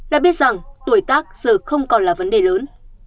đã biết rằng tuổi tác giờ không còn là vấn đề lớn